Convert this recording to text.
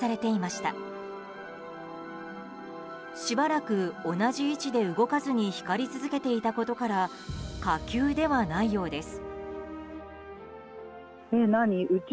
しばらく同じ位置で動かずに光り続けていたことから火球ではないようです。